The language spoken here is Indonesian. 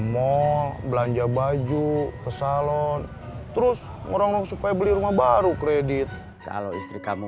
mall belanja baju ke salon terus ngorong ngorong supaya beli rumah baru kredit kalau istri kamu